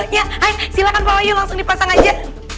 ya ayo silakan pak wahyu langsung dipasang aja